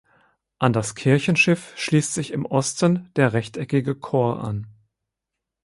An das Kirchenschiff schließt sich im Osten der rechteckige Chor an.